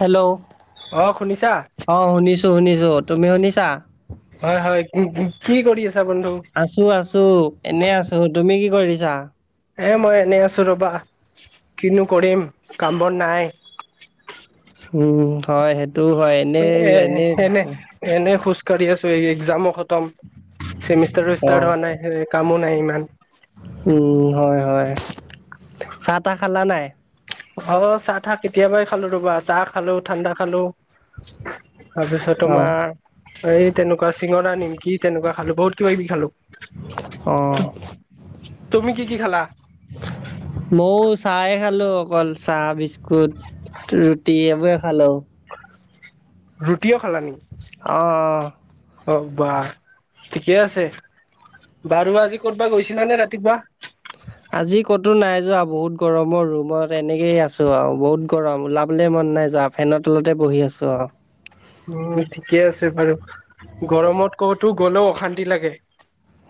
Hello অ শুনিছা? অঁ শুনিছো, শুনিছো তুমি শুনিছা? হয় হয় কি কৰি আছে! আছো, আছো, এনে আছো, তুমি কি কৰিছা? এ মই এনেই আছো ৰ'বা কিনো কৰিম কাম বোৰ নাই। উম হয় সেইটো হয় এনে এ এ এনেই এনে থাকো এনে খোজ কঢ়ি আছো এই একজামো খতম। চেমিষ্টাৰটো অ ষ্টাৰ্ট হোৱা নাই, কামো নাই ইমান। উম হয় হয় চাহ তাহ খালা নাই? অঁ চাহ তাহ কেতিয়াবাই খালো ৰবা চাহ খালো, ঠাণ্ডা খালো। তাৰপিছত অ তোমাৰ এই তেনেকুৱা চিঙৰা নিমকি তেনেকুৱা খালো, বহুত কিবা-কিবি খালোঁ। অ তুমি কি কি খেলা? মৌ চাই অকল চাহ, বিস্কুট, ৰুটি এইবোৰে খালো। ৰুটিও খালা শিকি? অ'। অহ বা ঠিকে আছে। বাৰু আজি ক'তবা গৈছিলা নে ৰাতিপুৱা? আজি ক'তো নাই যোৱা। বহুত গৰম অ' ৰুমত তেনেকেই আছো আৰু বহুত গৰম ওলাবলে মন নাই যোৱা, ফেন তলতেই বহি আছো আও। উম ঠিকে আছে বাৰু, গৰমত ক'তো গলো অশান্তি লাগে।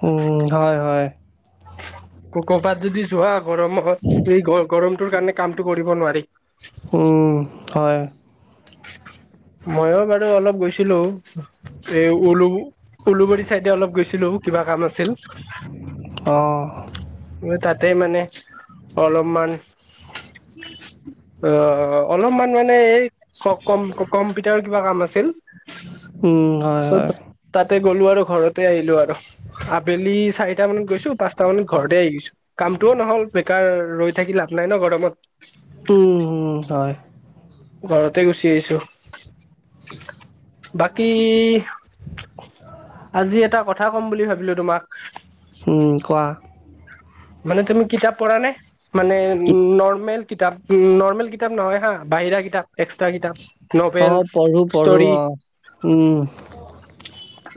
উম হয় হয়। ক'ৰবাত যদি যোৱা গৰমত, সে গৰমটোৰ কাৰণে কামটো কৰিব নোৱাৰি। উম, হয়। ময়ো বাৰু অলপ গৈছিলোঁ। এ উলু উওলুবৰী চাইডে অলপ গৈছিলো, কিবা কাম আছিল। অ'। মই তাতে মানে অলপমান। অঁ, অলমান মানে এই, ক‌ কম্পিউটাৰ কিবা কাম আছিল। উম হয় হয়। চ' তাতে গ'লো আৰু ঘৰতে আহিলো আৰ, আবেলি চাৰিটা মানত গৈছো পাঁচটা মানত ঘৰতে আহিছ। কামটো নহ'ল। বেকাৰ ৰৈ থাকি লাভ নাই ন গৰমত। হয় ঘৰতে গুচি আহিছো। বাকী, আজি এটা কথা ক'ম বুলি ভাবিলো তোমাক। ওম কোৱা। মানে তুমি কিতাপ পঢ়া নে? মানে নৰ্মেল। কিতাপ, ও নৰ্মেল কিতাপ নহয় হা বাহিৰা কিতাপ। এক্সট্ৰা কিতাপ অঁ নভেলচ, পঢ়োঁ পঢ়োঁ ষ্টৰি। অঁ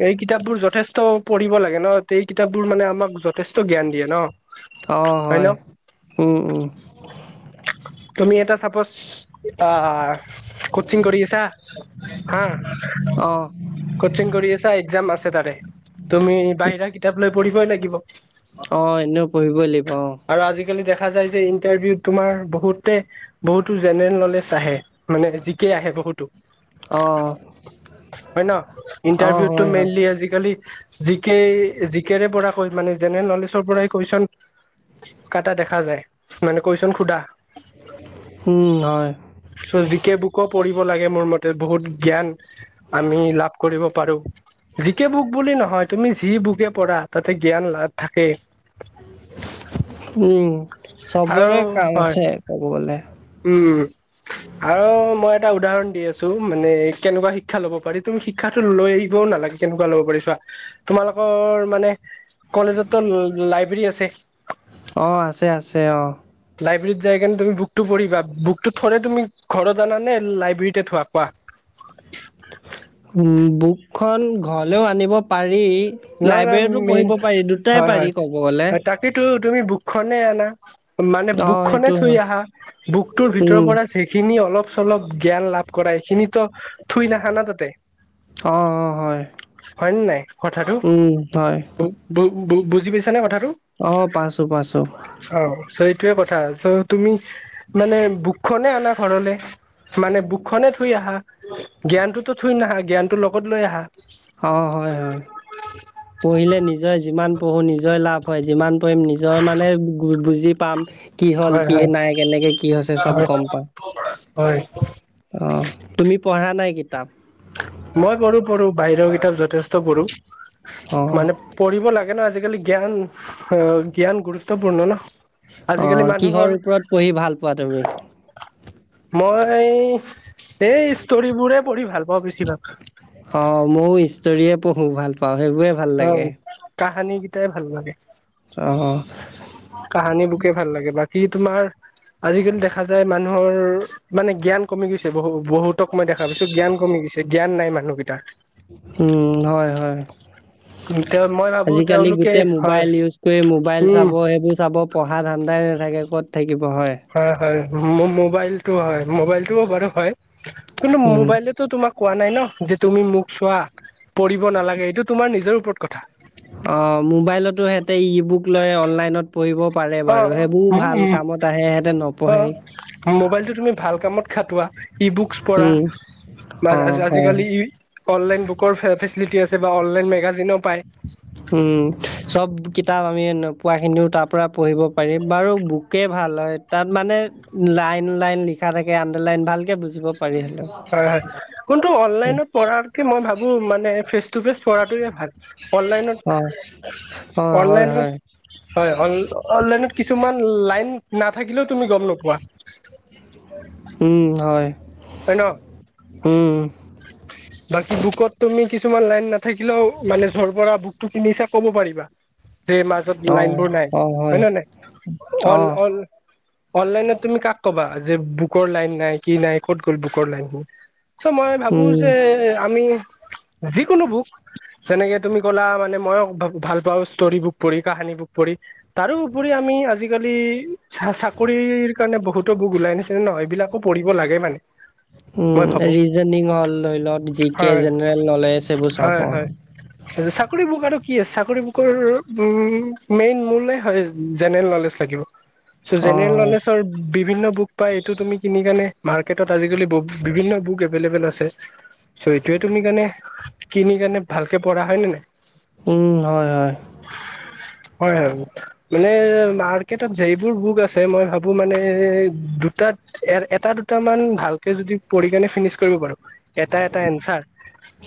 এইক। কিতাপবোৰ যথেষ্ট পঢ়িব লাগে ন, তেই কিতাপবোৰ মানে আমাক যথেষ্ট জ্ঞান দিয়ে ন! অ', হয়। উম, উম। তুমি এটা চাপ'জ আহ। কটচিং কৰিকি আছা হা। অঁ কটচিং কৰি আছা, একজাম আছে তাৰে, তুমি বাহিৰা কিতাপ লৈ পঢ়িবই লাগিব। অঁ, এনেও পঢ়িবই লি আৰু আজি কালি দেখ দেখা যায় যে ইণ্টাৰভিউত তোমাৰ বহুতে বহুতো জেনেৰেল নলেজ আহে মানে জিকে আহে বহুতো অঁ হয় ন? অঁ হয় ইন্টাৰভিউতটো হয় মেইনলি আজিকালি জি কে জি কেৰেউইআ পৰা কৈ মানে জেনেৰেল নলেজৰ পৰাই কুৱেশন কাটা দেখা যায় মানে কুৱেশন সোধা উম, হয় চজিকীয়া বুক পঢ়ি [unintelligible] লাগে মোৰ মতে বহুত জ্ঞান আমি লাভ কৰিব বাৰু জি কে বুক বুলি নহয় তুমি যি বুকে পঢ়া তাতে জ্ঞান লাভ থাকে। [inaudible] উম আৰু চবৰে কাম হয় আছে ক'ব গ'লে। উম আৰু মই এটা এটা উদাহৰণ দি আছোঁ মানে কেনেকুৱা শিক্ষা ল'ব পাৰি। তুমি শিক্ষাাটো লৈ আহিবও নালাগে। কেনেকুৱা ল'ব পাৰি চোৱা। তোমালোকৰ মানে কলেজতো লাইব্ৰেৰী আছে অ', আছে আছে অ'। লাইব্ৰেৰীত যাই কিনে তুমি বুকটো পঢ়িবা, বুকটো থৰে তুমি ঘৰত আনানে লাইব্ৰেৰীতে থোৱা কোৱা। [unintelligible] উম, বুকখন ঘৰলেও আনিব পাৰি। নহয় লাইব্ৰেৰীতো নহয় মেইন পঢ়িব পাৰি, দুটাই হয় হয় পাৰি ক'ব গ'লে। তাকেতো তুমি বুকখনেহে আনা। মানে বুক অঁ খনে সেইটো থয় হয় আহা, বুকটোৰ ভিতৰৰ অঁ পৰা যেইখিনি অলপ অলপ জ্ঞান লাভ কৰা এইখিনিতো থুই নাহানা তাতে। অঁ হয় হয় নে নাই কথাটো? উম, হয়। বু বুজি পাইছানে কথাটো? অ পাইছো পাইছো অ' সেইটোয়ে কথা। চো তুমি মানে বুকখনে অনা ঘৰলে, মানে বুকখনে থুই আহা। জ্ঞানটোতো থয় নাহা, জ্ঞানতো লগত লৈ আহা। অ' হয়, হয়। পঢ়িলে নিজে যিমান পঢ়ো নিজই লাভ হয়, যিমান কৰিম নিজৰ মানে বুজি পাম কি হ'ল হয় কি হয় নাই কেনেকে কি হৈছে চ'ব হয় গ'ম পাম। হয়। অ' তুমি পঢ়া নাই কিতাপ? মই পঢ়ো, পঢ়ো, বাহিৰৰ কিতাপ যথেষ্ট পঢ়ো, অ মানে পঢ়িব লাগে ন আজি আজিকালি জ্ঞান, অ' জ্ঞান গুৰুত্বপূৰ্ণ ন। আজিকালি অ' মানুহৰ কিহৰ ওপৰত পঢ়ি ভাল পোৱা তুমি? মই এই ষ্টৰিবোৰে পঢ়ি ভাল পাওঁ বেছিভাগ। অ', ময়ো ইষ্টৰয়ে পঢ়ো, ভাল পাওঁ, সেইবোৰে ভাল অ লাগে। কাহানী কেইটাই ভাল লাগে। অ' কাহানীবোকেই ভাল লাগে, বাকী তোমাৰ আজিকালি দেখা যায় মানুহৰ মানে জ্ঞান কমি গৈছে, বহু-বহুতক মই দেখা পাইছো জ্ঞান কমি গৈ গৈছে, জ্ঞান নাই মানুহকেইটাৰ। উম, হয় হয়। তেওঁ মই ভাবো আজিকালি তেওঁলোকে গোটেই হয় মোবাইল ইউজ কৰি মোবাইল উম চাব, সেইবোৰ চাব, পঢ়া ধান্দাই নাথাকে, ক'ত থাকি হয় হয়, মো-মোবাইলটো হয়, মোবাইলটোও বাৰু হয়। কিন্তু উম মোবাইলটোৱেতো তোমাক কোৱা নাই ন, যে তুমি মোক চোৱা। পঢ়িব নালাগে, এইটো তোমাৰ নিজৰ ওপৰত কথা। অ', মোবাইলতো সিহঁতে ই বুক লৈ অনলাইনত পঢ়িব পাৰে অ বাৰু, সেইবোৰ উ ভাল কামত আহে, সিহঁতে অ নপঢ়েই। মোবাইলটো তুমি ভাল কামত খাটোৱা ই বুকচ পঢ়া, বা অ হয় আজি-আজিকালি ই অনলাইন বুকৰ ফেচ-ফেচিলিটী টি আছে, বা অনলাইন মেগাজিনো পায়। উম, চব কিতাপ আমি নোপোৱাখিনিও তাৰ পৰা পঢ়িব পাৰি, বাৰু বুকে ভাল হয়, তাত মানে লাইন লাইন লিখা থাকে, আন্দাৰ লাইন ভালকে বুজিব পাৰি হ'লেও হয় হয়, কোনটো অনলাইনত পঢ়াতকৈ মই ভাবো মানে ফেচ টো ফেচ পঢ়াটোৱেই ভাল, অ অ হয় অনলাইনত-অনলাইনত হয় হয় হয়, অনলাইনত কিছুমান লাইন নাথাকিলেও তুমি গম নোপোৱা উম, হয়। হয়, ন! উম বাকী বুকত তুমি কি কিছুমান লাইন নাথাকিলেও মানে য'ৰ পৰা বুকটো কিনিচা ক'ব পাৰিবা। যে, মাজত অ লাইনবোৰ নাই, অ হয় হয়নে নাই? অ অল-অল অনলাইনত তুমি কাক ক'বা? যে, বুকৰ লাইন নাই, কি নাই, ক'ত গ'ল বুকৰ লাইনবোৰ? চ' মই ভাবোঁ উম যে, আমি যিকোনো বুক, যেনেকে তুমি ক'লা মানে মই ভা-ভাল পাওঁ ষ্টৰি বুক পঢ়ি, কাহানী বুক পঢ়ি, তাৰোউপৰি আমি আজিকালি চাকৰিৰ কাৰণে বহুতো বুক ওলাই আনিছিলে ন' এইবিলাকো পঢ়িব লাগে মানে। মই উম ভাবো ৰিজনিং হ'ল ধৰি লওক জিকে হয় জেনেৰেল নলেজ সেইবোৰ চাব হয় অ'। হয় চাকৰি বুক আৰু। কি চাকৰি বুকৰ মেইন মূলেই হয় জেনেৰেল নলেজ লাগিব। অ জেনেৰেল হয় নলেজৰ বিভিন্ন বুক পায় এইটো তুমি কিনি কেনে মাৰ্কেটত আজিকালি বিভিন্ন বুক এভেলভেল আছে। চ' এইটোয়ে তুমি কাৰণে কিনি কাৰণে ভালকে পঢ়া হয় নে নাই। উম হয়-হয়। হয়, হয় মানে মাৰ্কেটত যিবোৰ বুক আছে মই ভাবো মানে দুটাত। এ এটা দুটামান ভালকে যদি পঢ়ি কেনে ফিনিছ কৰিব পাৰো। এটা-এটা আনচাৰ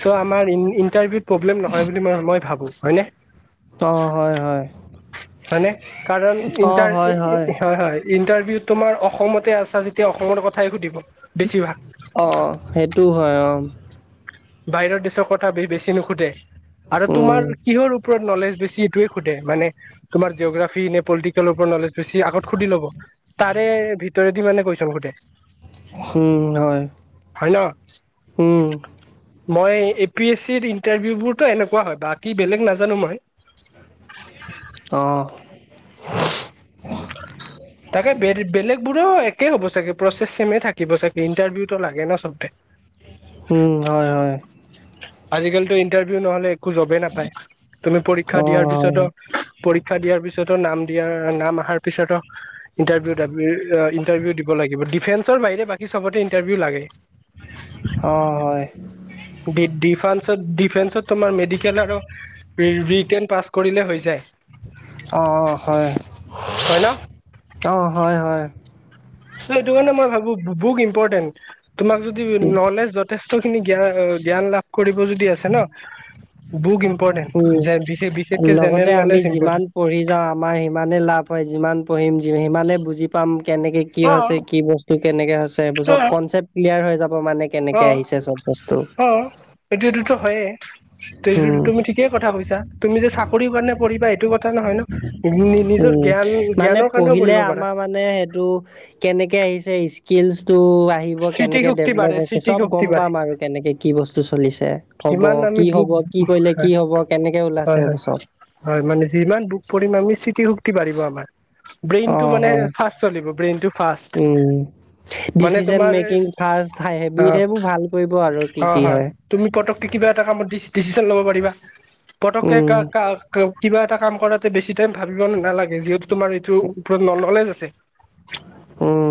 চ' আমাৰ ইটাৰভিউত প্ৰব্লেম নহয় বুলি মই ভাবো হয়নে? অ' হয়-হয়। হয়নে কাৰণ অ', ইটাৰ হয়, হয় হয় ইণ্টাৰভিউ। তোমাৰ অসমতে আছা যেতিয়া অসমৰ কথাই সুধিব। বেছিভাগ অ' সেইটো হয় অ' বাহিৰৰ দেশৰ কথা বেছি নুসোধে আৰু উম, তোমাৰ কিহৰ ওপৰত নলেজ বেছি এইটোৱে সোধে মান তোমাৰ জিঅ'গ্ৰাফিক নে পলিটেল প নলেজ। [unintelligible] আগত সুধি ল'ব তাৰে ভিতৰেদি মানে কুৱেশ্বন সোধে হম, হয় হয় ন হম। মই এ পি এ চি ইন্টাভিউবোৰটো এনেকুৱা‌ হয়, বাকী বেলেগ নাজানোঁ মই। আহ। তাকে বেলেগ বোৰো একে হ'ব চাগে প্ৰচেছ ছেমে থাকিব চাগে ইণ্টাৰভিউতটো লাগে ন। [unintelligible] উম হয়-হয়। আজিকালিতো ইন্টাৰভিউ নহ'লে একো একো জবেই নাপায় তুমি পৰীক্ষা অ', দিয়াৰ হয়। পিছতো পৰীক্ষা দিয়াৰ পিছতো নাম দিয়াৰ নাম অহাৰ পিছত ইণ্টাৰভিউ ইণ্টাৰভিউ দিব লাগিব। ডিফেন্সৰ বাহি বাকী চবতে ইণ্টাৰভিউ লাগে অ হয় ডি ডিফান্সত, ডিফেন্সত তোমাৰ মেডিকেল পেৰুবিকেন পাছ কৰিলে হৈ যায়। অ', হয়। হয় ন অ হয় হয় চ' সেইটো কাৰণে মই ভাবো বু বুক ইম্পৰ্টেণ্ট তোমাক যদি উম, নলেজ যথেষ্ট খিনি জ্ঞান লাভ কৰিব যদি আছে ন। বুক ইম্পৰ্টেণ্ট উম বিশেষ বিশেষকে লগতে জেনেৰেল আমি নলেজ যিমান ইম্পৰ্টেণ্ট পঢ়ি যাওঁ আমাৰ সিমানে লাভ হয় যিমান পঢ়িম সিমানে বুজি পাম কেনেকে কি অ হৈছে কি বস্তু কেনেকে হৈছে চব কনচেপ্ট ক্লিয়াৰ হৈ যাব মানে অ কেনেকে আহিছে চব বস্তু। অ এইটো এইটোতো হয়েই এইটো উম। তুমি ঠিকেই কথা কৈছা তুমি যে চাকৰিৰ কাৰণে পঢ়িবা সেইটো কথা নহয় ন নি নিজৰ উম, জ্ঞান মানে জ্ঞানৰ কাৰণেও পঢ়িলে পঢ়িব পাৰা আমাৰ মানে সেইটো কেনেকে আহিছে। স্কিলচ টো আহিব স্মৃতি কেনেকে শক্তি ডেভলপ বাঢ়ে হৈছে স্মৃতি চব গম শক্তি বাঢ়ে পাম আৰু কেনেকে কি বস্তু চলিছ ছে হ'ব যিমান আমি কি হ'ব বুক কি কৰিলে হয়, কি হ'ব কেনেকে ওলাইছে হয়, সেইবোৰ চব হয়, মানে যিমান বুক কৰিম আমি। স্মৃতি শক্তি বাঢ়িব আমাৰ অ ব্ৰেইনটো মানে হয় ফাৰ্ষ্ট চলিব ব্ৰেইনটো ফাৰ্ষ্ট উম ডিচিচন মেকিং ফাৰ্ষ্ট হাই হেবিত সেবোৰ ভাল কৰিব আৰু কি কি হয়। তুমি পতককে কিবা এটা কামত ডি ডিচিছন ল'ব পাৰিবা পতককে উম [unintelligible] কিবা এটা কাম কৰাতে বেছি টাইম ভাবিব নালাগে যিহেতু তোমাৰ এইটোৰ ওপৰত ন নলেজ আছে উম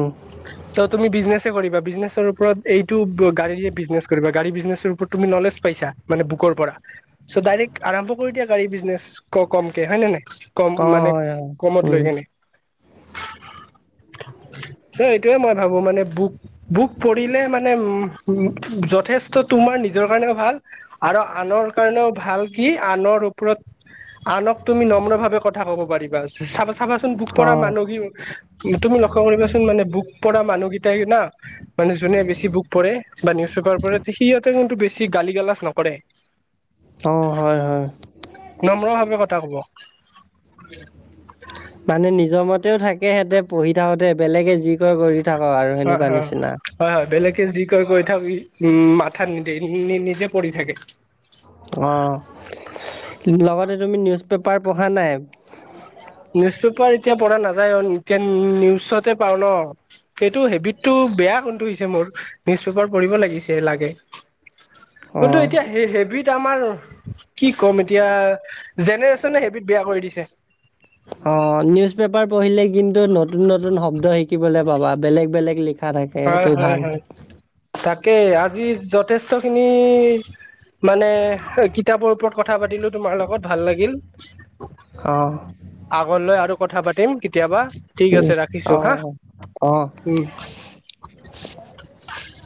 চ তুমি বিজনেছে কৰিবা বিজনেচ। মুঠৰ ওপৰত এইটো গাড়ীৰে বিজনেছ কৰিব গাড়ী বিজনেছ টোৰ ওপৰত তুমি নলেজ পাইছা মানে বুকৰ পৰা চ' ডাইৰেক্ট আৰম্ভ কৰি দিয়া গাড়ী বিজনেছ ক কমকে হয় নে নাই কম অ মানে হয় হয় কমত উম লৈ কিনে [unintelligible] এ এইটোয়ে মই ভাবো, মানে বুক, বুক পৰিলে মানে উম, যথেষ্ট তোমাৰ নি নিজৰ কাৰণেও ভাল আৰু আনৰ কাৰণেও ভাল কি আনৰ ওপৰত আনক তুমি নম্ৰ ভাৱে কথা ক'ব পাৰিবা চাব চাবাচোন বুক অ কৰা মানুহ গিও, তুমি লক্ষ্য কৰিবাচোন মানে বুক পৰা মানুহকেইটাই না। মানে যোনে বেছি বুক পঢ় বা নিউজ পেপাৰ পৰে সিহঁতে কিন্তু বেছি গালি গালাজ নকৰে। অ হয় হয় নম্ৰ ভাৱে কথা কব তেঁও থাকে সেহেতি থাকোতে বেলেগে যি ক কৰি থাকক আৰু হয় সেনেকুৱা হয় নিচিনা হয় হয় বেলেকে যি কয় কৈ থাকি উম মাথাত নিদে নিজে পৰি থাকে অ লগতে তুমি নিউজ পেপাৰ পঢ়া নাই নিউজ পেপাৰ এতিয়া পঢ়া নাযায় এতিয়া নিউজতে পাও ন সেইটো হেবিটটো খুব বেয়া কোনটো হৈছে মোৰ নিউজ পেপাৰ পঢ়িব লাগিছে লাগে কিন্তু অঁ এতিয়া সেই হেবিত আমাৰ কি ক'ম এতিয়া জেনেৰেশ্যনে হেবিধ বেয়া কৰি দিছে। অ' নিউজ পেপাৰ পঢ়িলে কিন্তু নতুন নতুন শব্দ শিকিবলৈ পাবা বেলেগ বেলেগ লিখা থাকে হয় সেইটো হয় ভাল হয় তাকেই আজি যথেষ্ট খিনি মানে কিতাপৰ ওপৰত কথা পাতিলো তোমাৰ লগত ভাল লাগিল। অঁ আগত লৈ আৰু কথা পাতিম কেতিয়াবা, ঠিক আছে ৰাখিছো হা। অঁ অঁ উম। [unintelligible]